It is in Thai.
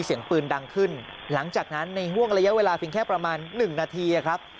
เสียงปืนดังขึ้นหลังจากนั้นในห่วงระยะเวลาเพียงแค่ประมาณ๑นาทีครับ